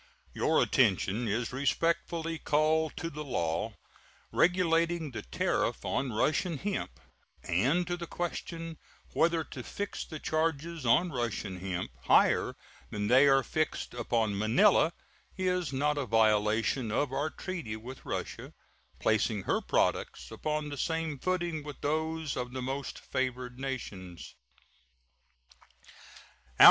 Your attention is respectfully called to the law regulating the tariff on Russian hemp, and to the question whether to fix the charges on Russian hemp higher than they are fixed upon manila is not a violation of our treaty with Russia placing her products upon the same footing with those of the most favored nations.